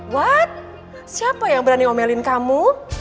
what siapa yang berani omelin kamu